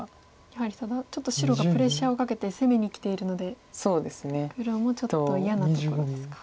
やはりちょっと白がプレッシャーをかけて攻めにきているので黒もちょっと嫌なところですか。